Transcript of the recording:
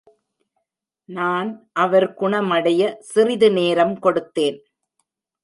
நான் அவர் குணமடைய சிறிது நேரம் கொடுத்தேன்.